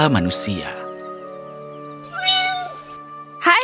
kucing kucing itu harus mengembara ke desa